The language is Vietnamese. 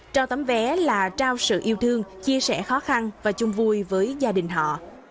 cho tấm vé là trao sự yêu thương chia sẻ khó khăn và chung vui với gia đình họ